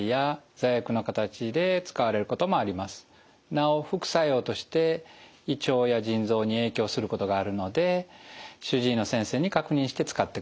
なお副作用として胃腸や腎臓に影響することがあるので主治医の先生に確認して使ってください。